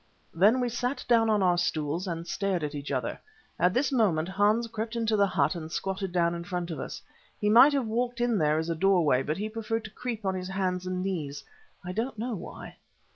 Then we sat down on our stools again and stared at each other. At this moment Hans crept into the hut and squatted down in front of us. He might have walked in as there was a doorway, but he preferred to creep on his hands and knees, I don't know why.